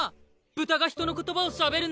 豚が人の言葉をしゃべるなんて。